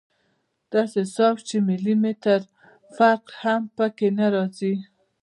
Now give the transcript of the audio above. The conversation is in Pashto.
داسې صاف چې ملي مټر فرق هم پکښې نه رځي.